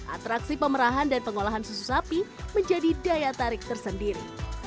atraksi pemerahan dan pengolahan susu sapi menjadi daya tarik tersendiri